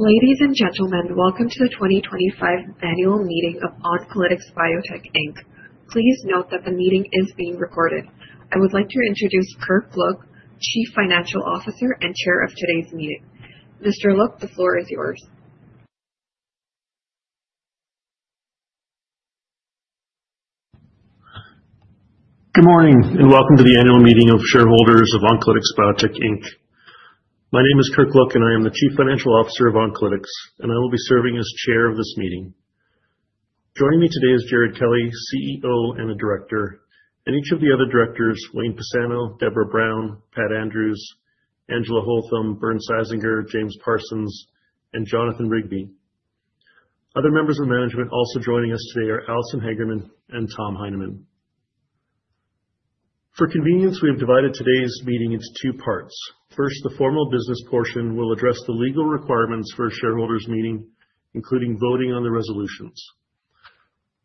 Ladies and gentlemen, welcome to the 2025 Annual Meeting of Oncolytics Biotech Inc. Please note that the meeting is being recorded. I would like to introduce Kirk Look, Chief Financial Officer and Chair of today's meeting. Mr. Look, the floor is yours. Good morning and welcome to the annual meeting of shareholders of Oncolytics Biotech Inc. My name is Kirk Look and I am the Chief Financial Officer of Oncolytics, and I will be serving as Chair of this meeting. Joining me today is Jared Kelly, CEO and Director, and each of the other Directors: Wayne Pisano, Deborah Brown, Pat Andrews, Angela Holtham, Bernd Seizinger, James Parsons, and Jonathan Rigby. Other members of management also joining us today are Allison Hagerman and Tom Heineman. For convenience, we have divided today's meeting into two parts. First, the formal business portion will address the legal requirements for a shareholders' meeting, including voting on the resolutions.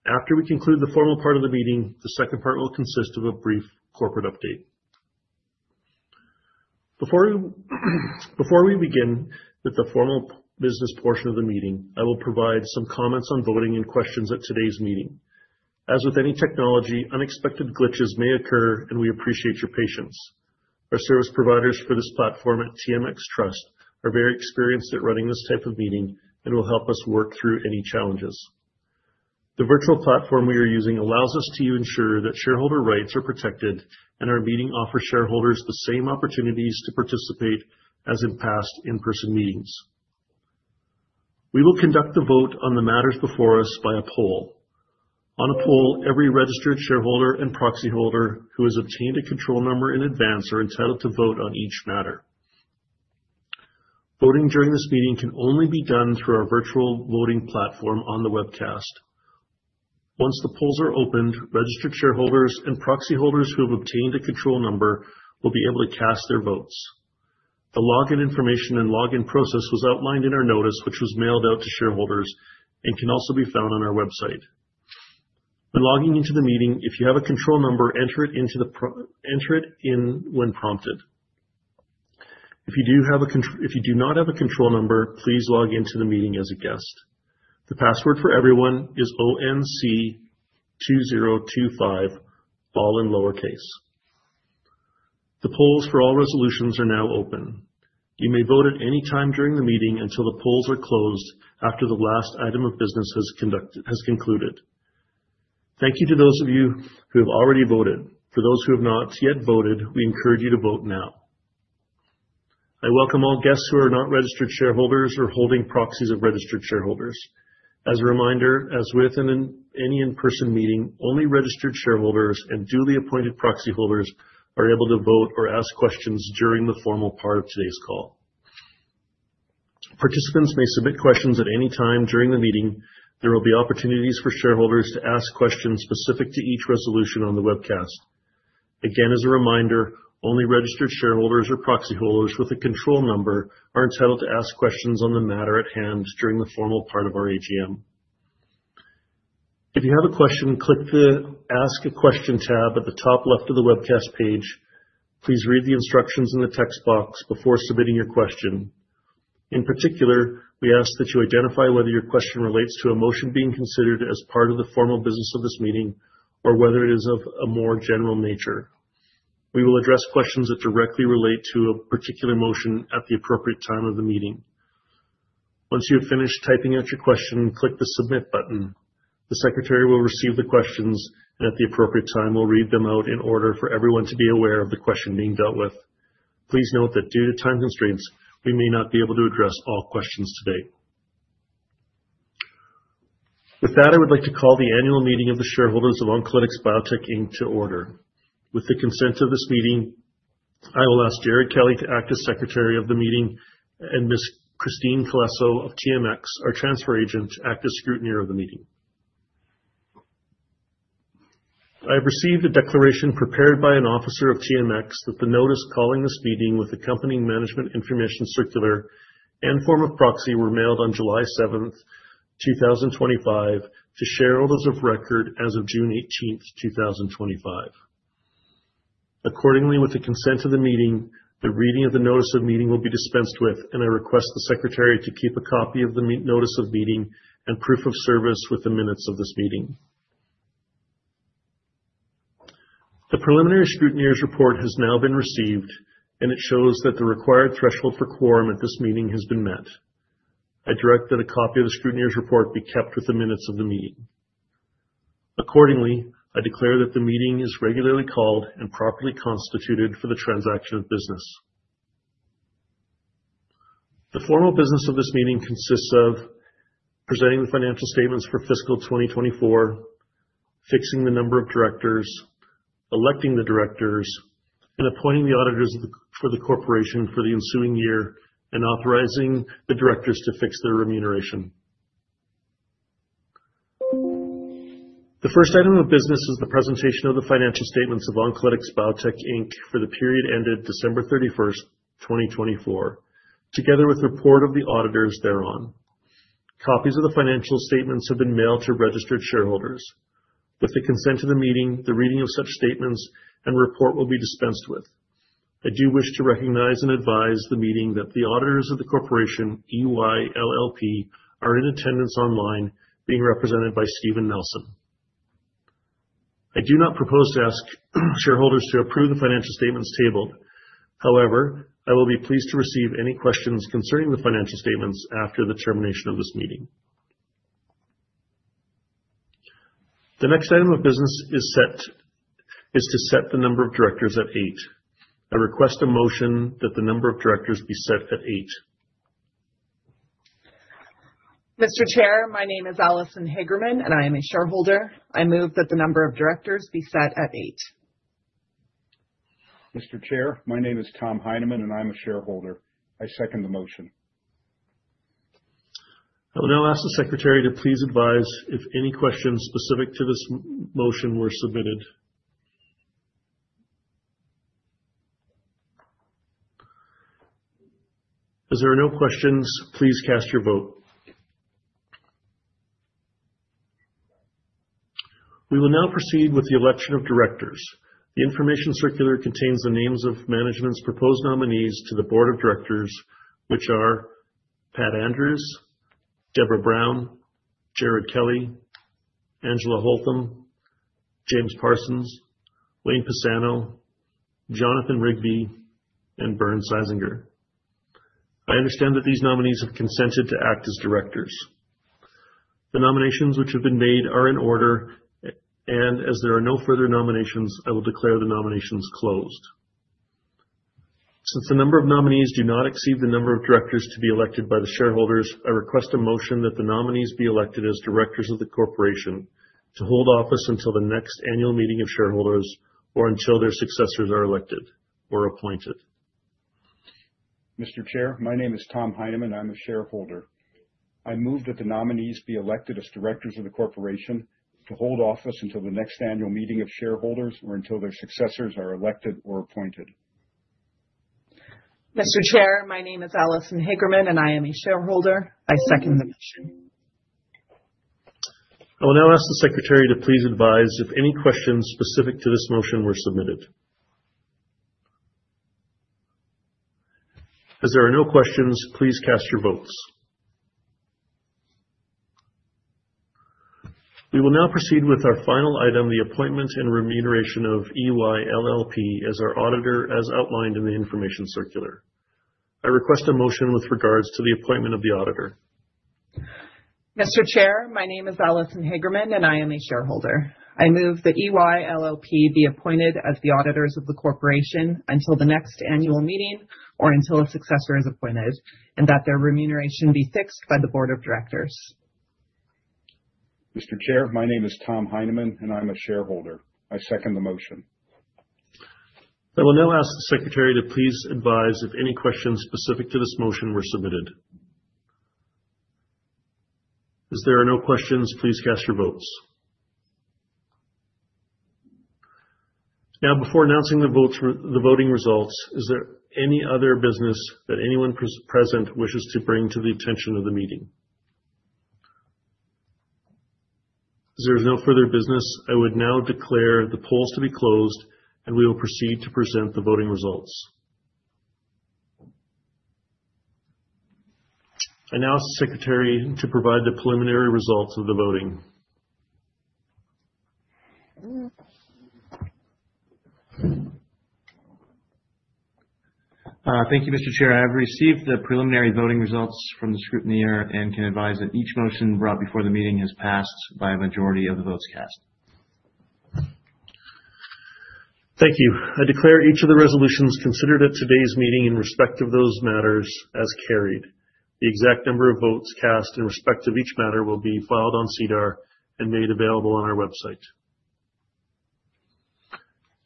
After we conclude the formal part of the meeting, the second part will consist of a brief corporate update. Before we begin with the formal business portion of the meeting, I will provide some comments on voting and questions at today's meeting. As with any technology, unexpected glitches may occur, and we appreciate your patience. Our service providers for this platform at TMX Trust are very experienced at running this type of meeting and will help us work through any challenges. The virtual platform we are using allows us to ensure that shareholder rights are protected, and our meeting offers shareholders the same opportunities to participate as in past in-person meetings. We will conduct a vote on the matters before us by a poll. On a poll, every registered shareholder and proxy holder who has obtained a control number in advance are entitled to vote on each matter. Voting during this meeting can only be done through our virtual voting platform on the webcast. Once the polls are opened, registered shareholders and proxy holders who have obtained a control number will be able to cast their votes. The login information and login process was outlined in our notice, which was mailed out to shareholders and can also be found on our website. When logging into the meeting, if you have a control number, enter it in when prompted. If you do not have a control number, please log into the meeting as a guest. The password for everyone is onc2025, all in lowercase. The polls for all resolutions are now open. You may vote at any time during the meeting until the polls are closed after the last item of business has concluded. Thank you to those of you who have already voted. For those who have not yet voted, we encourage you to vote now. I welcome all guests who are not registered shareholders or holding proxies of registered shareholders. As a reminder, as with any in-person meeting, only registered shareholders and duly appointed proxy holders are able to vote or ask questions during the formal part of today's call. Participants may submit questions at any time during the meeting. There will be opportunities for shareholders to ask questions specific to each resolution on the webcast. Again, as a reminder, only registered shareholders or proxy holders with a control number are entitled to ask questions on the matter at hand during the formal part of our ATM. If you have a question, click the Ask a Question tab at the top left of the webcast page. Please read the instructions in the text box before submitting your question. In particular, we ask that you identify whether your question relates to a motion being considered as part of the formal business of this meeting or whether it is of a more general nature. We will address questions that directly relate to a particular motion at the appropriate time of the meeting. Once you have finished typing out your question, click the Submit button. The Secretary will receive the questions, and at the appropriate time, we'll read them out in order for everyone to be aware of the question being dealt with. Please note that due to time constraints, we may not be able to address all questions today. With that, I would like to call the annual meeting of the shareholders of Oncolytics Biotech Inc. to order. With the consent of this meeting, I will ask Jared Kelly to act as Secretary of the meeting and Ms. Christine Colaso of TMX, our Transfer Agent, to act as Scrutineer of the meeting. I have received a declaration prepared by an Officer of TMX that the notice calling this meeting with accompanying management information circular and form of proxy were mailed on July 7th, 2025, to shareholders of record as of June 18th, 2025. Accordingly, with the consent of the meeting, the reading of the notice of meeting will be dispensed with, and I request the Secretary to keep a copy of the notice of meeting and proof of service with the minutes of this meeting. The preliminary Scrutineer's report has now been received, and it shows that the required threshold for quorum at this meeting has been met. I direct that a copy of the Scrutineer's report be kept with the minutes of the meeting. Accordingly, I declare that the meeting is regularly called and properly constituted for the transaction of business. The formal business of this meeting consists of presenting the financial statements for fiscal 2024, fixing the number of directors, electing the directors, and appointing the auditors for the corporation for the ensuing year, and authorizing the directors to fix their remuneration. The first item of business is the presentation of the financial statements of Oncolytics Biotech Inc. for the period ended December 31st, 2024, together with a report of the auditors thereon. Copies of the financial statements have been mailed to registered shareholders. With the consent of the meeting, the reading of such statements and report will be dispensed with. I do wish to recognize and advise the meeting that the auditors of the corporation, EY LLP, are in attendance online, being represented by Steven Nelson. I do not propose to ask shareholders to approve the financial statements tabled. However, I will be pleased to receive any questions concerning the financial statements after the termination of this meeting. The next item of business is to set the number of directors at eight. I request a motion that the number of directors be set at eight. Mr. Chair, my name is Allison Hagerman, and I am a shareholder. I move that the number of directors be set at eight. Mr. Chair, my name is Tom Heineman, and I'm a shareholder. I second the motion. I would now ask the Secretary to please advise if any questions specific to this motion were submitted. If there are no questions, please cast your vote. We will now proceed with the election of directors. The information circular contains the names of management's proposed nominees to the Board of Directors, which are Pat Andrews, Deborah Brown, Jared Kelly, Angela Holtham, James Parsons, Wayne Pisano, Jonathan Rigby, and Bernd Seizinger. I understand that these nominees have consented to act as directors. The nominations which have been made are in order, and as there are no further nominations, I will declare the nominations closed. Since the number of nominees do not exceed the number of directors to be elected by the shareholders, I request a motion that the nominees be elected as directors of the corporation to hold office until the next annual meeting of shareholders or until their successors are elected or appointed. Mr. Chair, my name is Tom Heineman. I'm a shareholder. I move that the nominees be elected as directors of the corporation to hold office until the next annual meeting of shareholders or until their successors are elected or appointed. Mr. Chair, my name is Allison Hagerman, and I am a shareholder. I second the motion. I will now ask the Secretary to please advise if any questions specific to this motion were submitted. If there are no questions, please cast your votes. We will now proceed with our final item, the appointment and remuneration of EY LLP as our auditor, as outlined in the information circular. I request a motion with regards to the appointment of the auditor. Mr. Chair, my name is Allison Hagerman, and I am a shareholder. I move that EY LLP be appointed as the auditors of the corporation until the next annual meeting or until a successor is appointed, and that their remuneration be fixed by the Board of Directors. Mr. Chair, my name is Tom Heineman, and I'm a shareholder. I second the motion. I will now ask the Secretary to please advise if any questions specific to this motion were submitted. If there are no questions, please cast your votes. Now, before announcing the voting results, is there any other business that anyone present wishes to bring to the attention of the meeting? If there is no further business, I would now declare the polls to be closed, and we will proceed to present the voting results. I now ask the Secretary to provide the preliminary results of the voting. Thank you, Mr. Chair. I have received the preliminary voting results from the Scrutineer and can advise that each motion brought before the meeting has passed by a majority of the votes cast. Thank you. I declare each of the resolutions considered at today's meeting in respect of those matters as carried. The exact number of votes cast in respect of each matter will be filed on SEDAR and made available on our website.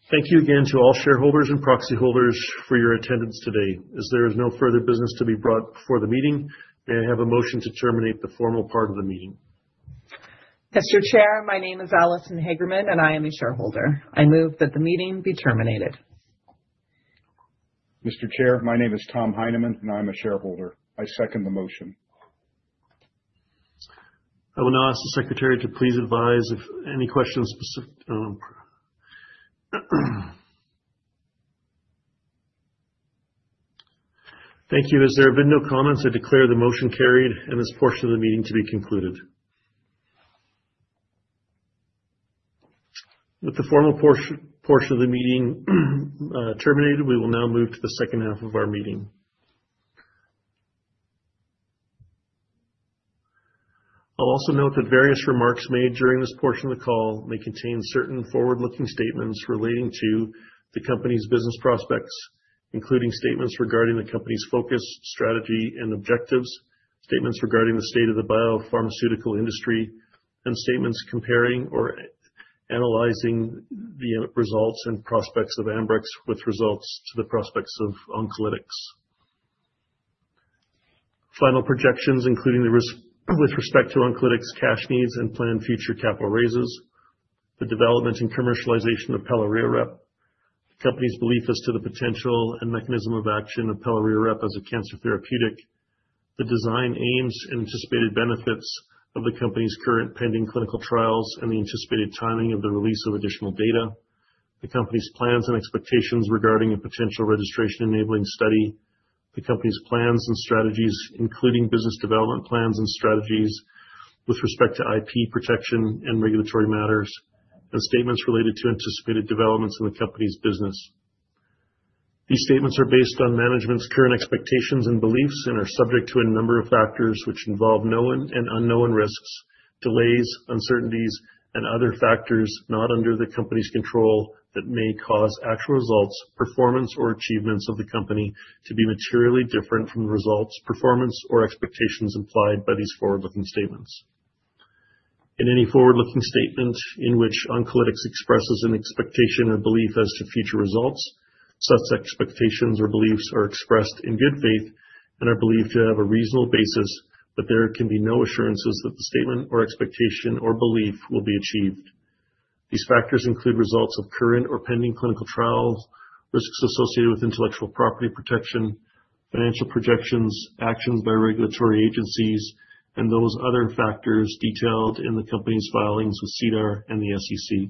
Thank you again to all shareholders and proxy holders for your attendance today. If there is no further business to be brought before the meeting, I have a motion to terminate the formal part of the meeting. Mr. Chair, my name is Allison Hagerman, and I am a shareholder. I move that the meeting be terminated. Mr. Chair, my name is Tom Heineman, and I'm a shareholder. I second the motion. I will now ask the Secretary to please advise if any questions specific. Thank you. If there have been no comments, I declare the motion carried and this portion of the meeting to be concluded. With the formal portion of the meeting terminated, we will now move to the second half of our meeting. I'll also note that various remarks made during this portion of the call may contain certain forward-looking statements relating to the company's business prospects, including statements regarding the company's focus, strategy, and objectives, statements regarding the state of the biopharmaceutical industry, and statements comparing or analyzing the results and prospects of Ambrx with results to the prospects of Oncolytics. Final projections, including the risk with respect to Oncolytics's cash needs and planned future capital raises, the development and commercialization of pelareorep, the company's belief as to the potential and mechanism of action of pelareorep as a cancer therapeutic, the design aims and anticipated benefits of the company's current pending clinical trials, and the anticipated timing of the release of additional data, the company's plans and expectations regarding a potential registration-enabled study, the company's plans and strategies, including business development plans and strategies with respect to intellectual property protection and regulatory matters, and statements related to anticipated developments in the company's business. These statements are based on management's current expectations and beliefs and are subject to a number of factors which involve known and unknown risks, delays, uncertainties, and other factors not under the company's control that may cause actual results, performance, or achievements of the company to be materially different from the results, performance, or expectations implied by these forward-looking statements. In any forward-looking statement in which Oncolytics expresses an expectation or belief as to future results, such expectations or beliefs are expressed in good faith and are believed to have a reasonable basis, but there can be no assurances that the statement or expectation or belief will be achieved. These factors include results of current or pending clinical trials, risks associated with intellectual property protection, financial projections, action by regulatory agencies, and those other factors detailed in the company's filings with SEDAR and the SEC.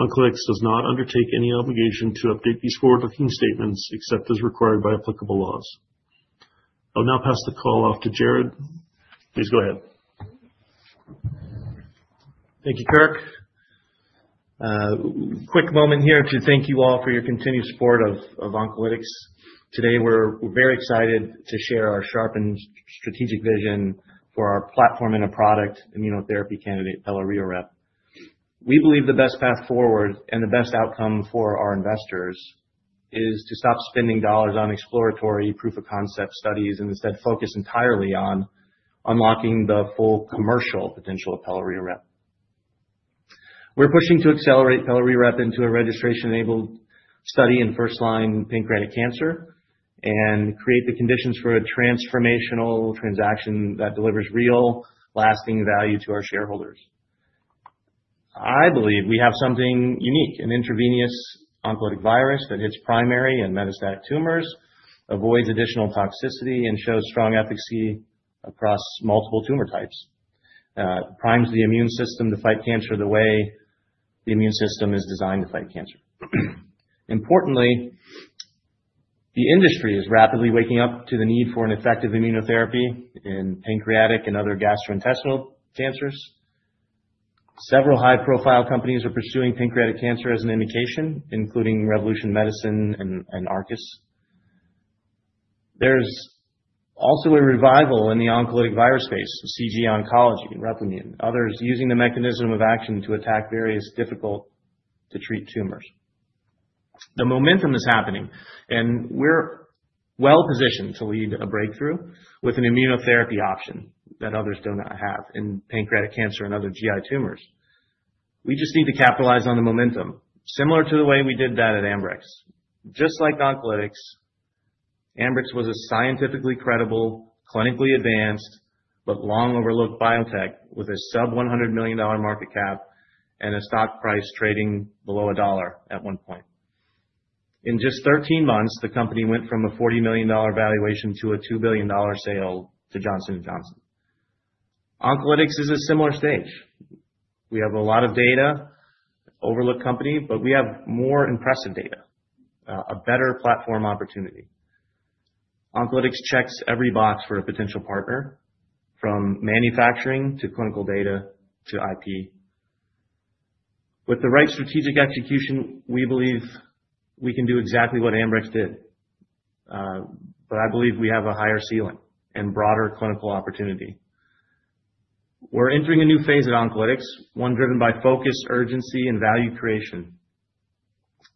Oncolytics does not undertake any obligation to update these forward-looking statements except as required by applicable laws. I'll now pass the call off to Jared. Please go ahead. Thank you, Kirk. Quick moment here to thank you all for your continued support of Oncolytics. Today, we're very excited to share our sharpened strategic vision for our platform and our product, immunotherapy candidate pelareorep. We believe the best path forward and the best outcome for our investors is to stop spending dollars on exploratory proof-of-concept studies and instead focus entirely on unlocking the full commercial potential of pelareorep. We're pushing to accelerate pelareorep into a registration-enabled study in first-line pancreatic cancer and create the conditions for a transformational transaction that delivers real, lasting value to our shareholders. I believe we have something unique, an intravenous oncolytic virus that hits primary and metastatic tumors, avoids additional toxicity, and shows strong efficacy across multiple tumor types. It primes the immune system to fight cancer the way the immune system is designed to fight cancer. Importantly, the industry is rapidly waking up to the need for an effective immunotherapy in pancreatic and other gastrointestinal cancers. Several high-profile companies are pursuing pancreatic cancer as an imitation, including Revolution Medicines and Arcus. There's also a revival in the oncolytic virus space, CG Oncology, Replimune, and others using the mechanism of action to attack various difficult-to-treat tumors. The momentum is happening, and we're well positioned to lead a breakthrough with an immunotherapy option that others do not have in pancreatic cancer and other GI tumors. We just need to capitalize on the momentum, similar to the way we did that at Ambrx. Just like Oncolytics, Ambrx was a scientifically credible, clinically advanced, but long-overlooked biotech with a sub-$100 million market cap and a stock price trading below $1 at one point. In just 13 months, the company went from a $40 million valuation to a $2 billion sale to Johnson & Johnson. Oncolytics is a similar stage. We have a lot of data, an overlooked company, but we have more impressive data, a better platform opportunity. Oncolytics checks every box for a potential partner, from manufacturing to clinical data to IP. With the right strategic execution, we believe we can do exactly what Ambrx did, but I believe we have a higher ceiling and broader clinical opportunity. We're entering a new phase at Oncolytics, one driven by focus, urgency, and value creation.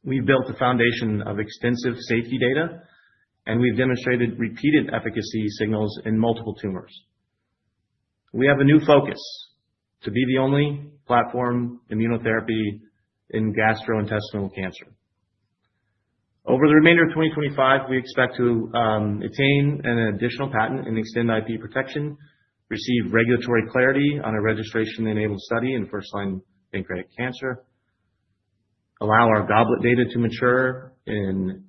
We've built a foundation of extensive safety data, and we've demonstrated repeated efficacy signals in multiple tumors. We have a new focus to be the only platform immunotherapy in gastrointestinal cancer. Over the remainder of 2025, we expect to attain an additional patent and extend intellectual property protection, receive regulatory clarity on a registration-enabled study in first-line pancreatic cancer, allow our GOBLET data to mature in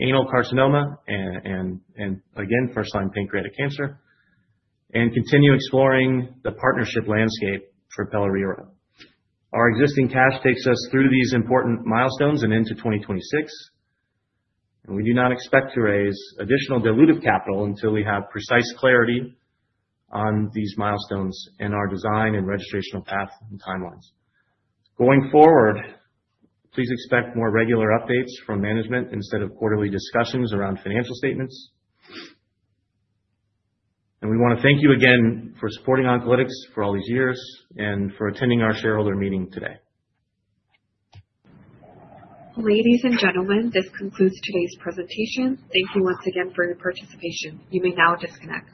anal carcinoma and, again, first-line pancreatic cancer, and continue exploring the partnership landscape for pelareorep. Our existing cash takes us through these important milestones and into 2026, and we do not expect to raise additional dilutive capital until we have precise clarity on these milestones in our design and registration path and timelines. Going forward, please expect more regular updates from management instead of quarterly discussions around financial statements. We want to thank you again for supporting Oncolytics for all these years and for attending our shareholder meeting today. Ladies and gentlemen, this concludes today's presentation. Thank you once again for your participation. You may now disconnect.